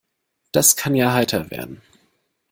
Das kann ja heiter werden.